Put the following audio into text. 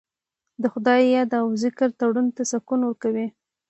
د خدای یاد او ذکر زړونو ته سکون ورکوي.